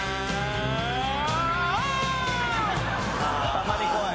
たまに怖い。